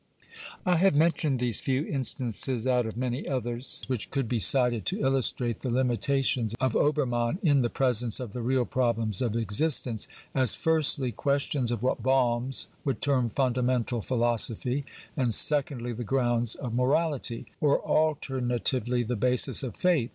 I have mentioned these few instances out of many others which could be cited to illustrate the limitations of Ober mann in the presence of the real problems of existence — as, firstly, questions of what Balmes would term fundamental philosophy, and, secondly, the grounds of morality \ or alter natively the basis of faith.